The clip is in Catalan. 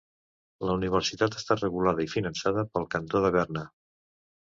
La universitat està regulada i finançada pel Cantó de Berna.